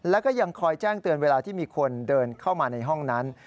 แล้วก็ยังคอยแจ้งเตือนเวลาที่มีคนเดินเข้ามาในห้องนั้น